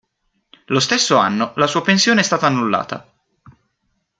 Lo stesso anno, la sua pensione è stata annullata.